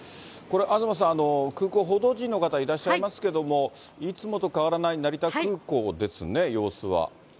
東さん、空港、報道陣の方いらっしゃいますけれども、いつもと変わらない成田空港ですね？